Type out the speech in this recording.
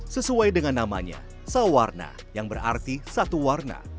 sesuai dengan namanya sawarna yang berarti satu warna